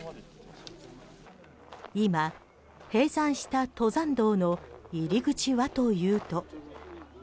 今、閉山した登山道の入口はというと。